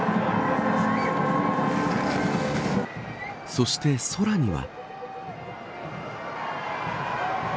そして空には。